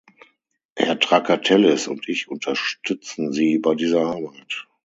Herr Trakatellis und ich unterstützen Sie bei dieser Arbeit.